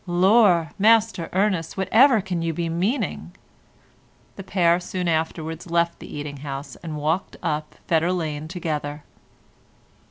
"Lor'! Master Ernest, whatever can you be meaning?" The pair soon afterwards left the eating house and walked up Fetter Lane together.